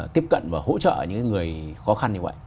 tiếp cận và hỗ trợ những người khó khăn như vậy